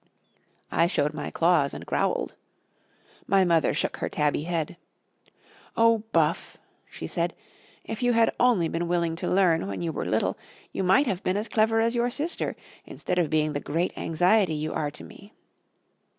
I showed my claws and growled. My mother shook her tabby head. "O Buff," she said, "if you had only been willing to learn when you were little, you might have been as clever as your sister, instead of being the great anxiety you are to me."